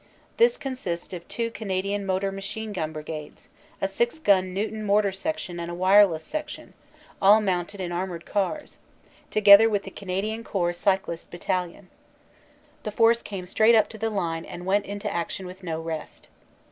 This consists of two Canadian Motor Machine Gun Brigades, a six inch Newton Mortar Section and a Wireless Section, all mounted in armored cars, together with the Canadian Corps Cyclist Battalion. The Force came straight up to the line and went into action with no rest.